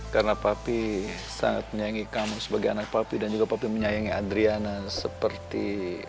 karena papi sangat menyayangi kamu sebagai anak papi dan juga papi menyayangi adriana seperti